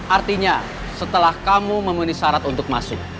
artinya setelah kamu memenuhi syarat untuk masuk